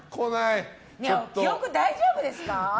記憶、大丈夫ですか？